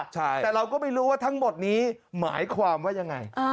แต่เราก็ไม่รู้ว่าทั้งหมดนี้หมายความว่ายังไง